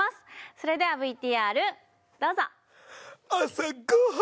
それではＶＴＲどうぞ朝ご飯！